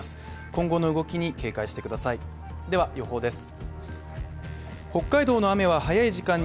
今後の動きに警戒してくださいでは予報です。